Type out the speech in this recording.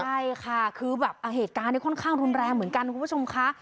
ใช่ค่ะคือแบบเหตุการณ์นี้ค่อนข้างรุนแรงเหมือนกันคุณผู้ชมค่ะ